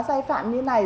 sai phạm như này